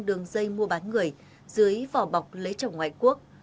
đường dây mua bán người dưới vỏ bọc lấy chồng ngoại quốc